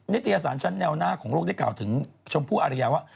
ิตยสารชั้นแนวหน้าของโลกได้กล่าวถึงชมพู่อารยาว่า